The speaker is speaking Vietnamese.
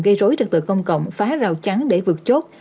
gây rối trật tự công cộng phá rào trắng để vượt chốt